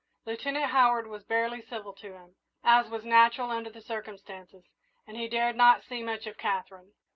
Lieutenant Howard was barely civil to him, as was natural under the circumstances, and he dared not see much of Katherine.